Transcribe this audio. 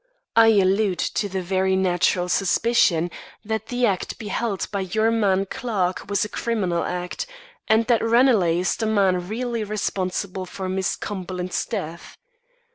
"I allude to the very natural suspicion that the act beheld by your man Clarke was a criminal act, and that Ranelagh is the man really responsible for Miss Cumberland's death.